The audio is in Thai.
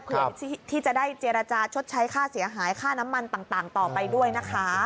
เพื่อที่จะได้เจรจาชดใช้ค่าเสียหายค่าน้ำมันต่างต่อไปด้วยนะคะ